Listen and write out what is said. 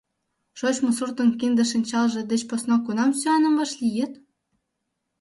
Шочмо суртын кинде-шинчалже деч посна кунам сӱаным вашлийыт?